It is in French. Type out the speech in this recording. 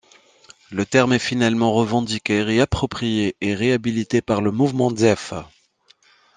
Le terme est finalement revendiqué, réapproprié et réhabilité par le mouvement Zef.